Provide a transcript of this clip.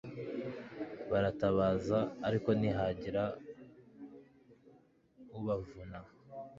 Baratabaza ariko ntihagira ubavuna